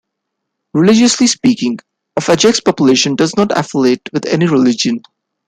Religiously speaking, of Ajax's population does not affiliate with any religion.